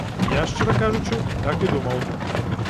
Я, шчыра кажучы, так і думаў.